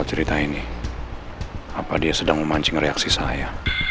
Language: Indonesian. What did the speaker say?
sampai jumpa di video selanjutnya